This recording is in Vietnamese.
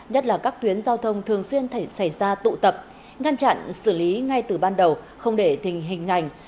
nhất là các tuyến giao thông thường xuyên xảy ra tụ tập ngăn chặn xử lý ngay từ ban đầu không để thình hình ảnh